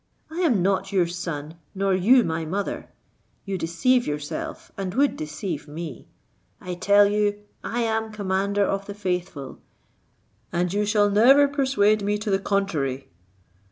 I am not your son, nor you my mother. You deceive yourself and would deceive me. I tell you I am the commander of the faithful, and you shall never persuade me to the contrary!"